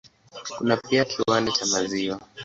Kuna pia kiwanda cha maziwa.